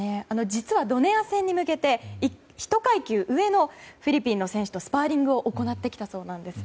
実は、ドネア戦に向けて１階級上のフィリピンの選手とスパーリングを行ってきたそうです。